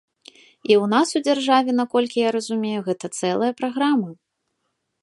І ў нас у дзяржаве, наколькі я разумею, гэта цэлая праграма.